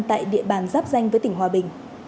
tại đài phát thanh hà nội